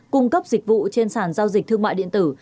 cung cấp dịch vụ trên sàn giao dịch thương mại điện tử